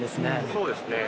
そうですね